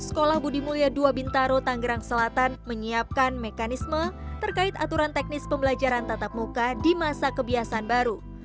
sekolah budi mulya dua bintaro tanggerang selatan menyiapkan mekanisme terkait aturan teknis pembelajaran tatap muka di masa kebiasaan baru